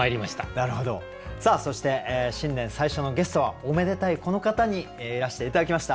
さあそして新年最初のゲストはおめでたいこの方にいらして頂きました。